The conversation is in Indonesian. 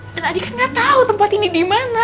dan adi kan gak tau tempat ini dimana